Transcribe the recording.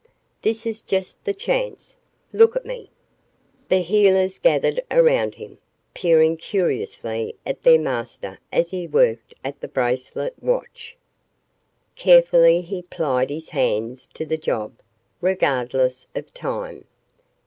This is just the chance. Look at me." The heelers gathered around him, peering curiously at their master as he worked at the bracelet watch. Carefully he plied his hands to the job, regardless of time.